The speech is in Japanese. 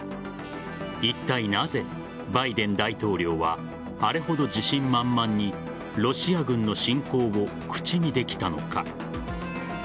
いったいなぜバイデン大統領はあれほど自信満々にロシア軍の侵攻を口にできたのか。